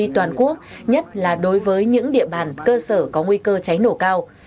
toàn quốc nhất là đối với những địa bàn cơ sở có nguy cơ cháy nổ cao